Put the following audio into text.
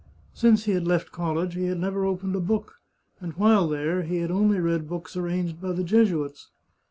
Since he had left college he had never opened a book, and while there, had only read books arranged by the Jesuits.